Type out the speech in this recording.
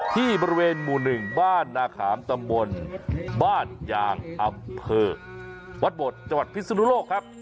ที่บริเวณหมู่๑บ้านนาขามตำบลบ้านยางอำเภอวัดบทจังหวัดพิศนุโลกครับ